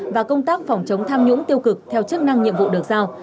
và công tác phòng chống tham nhũng tiêu cực theo chức năng nhiệm vụ được giao